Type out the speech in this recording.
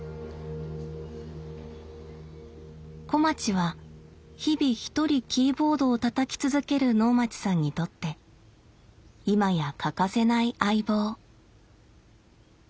小町は日々一人キーボードをたたき続ける能町さんにとって今や欠かせない相棒。